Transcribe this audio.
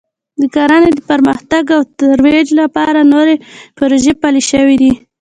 د کرنې د پرمختګ او ترویج لپاره نوې پروژې پلې شوې دي